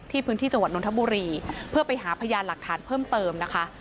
พื้นที่จังหวัดนทบุรีเพื่อไปหาพยานหลักฐานเพิ่มเติมนะคะ